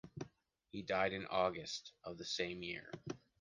He died in August of the same year.